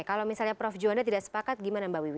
kalau misalnya prof juwanda tidak sepakat gimana mbak wiwi